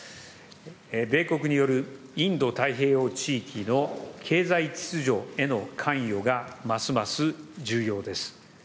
米国によるインド太平洋地域の経済秩序への関与がますます重要です。